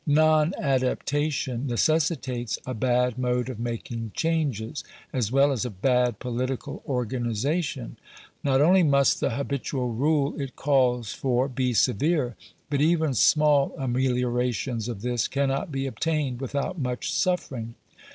Non adaptation necessitates a bad mode of making changes, as well as a bad political organization. Not only must the habitual rule it calls for be severe, but even small amelio rations of this cannot be obtained without much suffering.